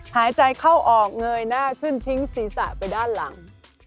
หายใจเข้าออกเงยหน้าขึ้นทิ้งศีรษะไปด้านหลัง